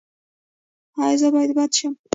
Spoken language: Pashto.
ایا زه باید بد شم؟